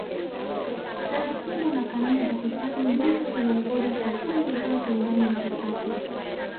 Taratibu na kanuni za hifadhi ndizo huongoza shughuli zote ndani ya hifadhi